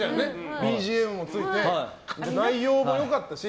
ＢＧＭもついて内容も良かったし。